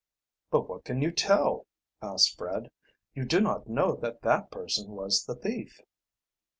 "But what can you tell?" asked Fred. "You do not know that that person, was the thief."